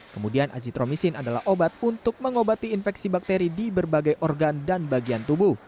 kemudian azitromisin adalah obat untuk mengobati infeksi bakteri di berbagai organ dan bagian tubuh